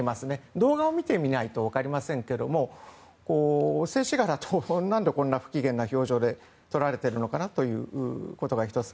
動画を見てみないとわかりませんが静止画だとなんでこんな不機嫌な表情で撮られてるのかなということが１つ。